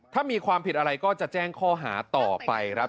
ถ้ามีความผิดอะไรก็จะแจ้งข้อหาต่อไปครับ